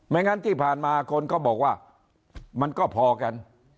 งั้นที่ผ่านมาคนก็บอกว่ามันก็พอกัน